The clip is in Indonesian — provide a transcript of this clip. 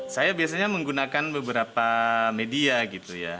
saya biasanya menggunakan beberapa media gitu ya